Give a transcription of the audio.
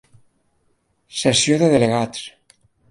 Sessió de delegats.